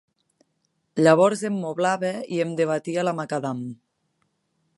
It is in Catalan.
Llavors em moblava i em debatia la macadam.